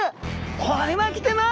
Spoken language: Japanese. これはきてます！